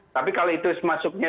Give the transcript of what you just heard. tapi kalau itu semaksudnya